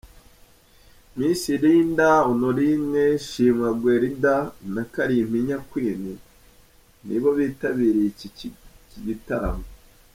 Miss Linda, Honorine, Shimwa Guelda na Kalimpinya Queen nibo bitabiriye iki gitaramo.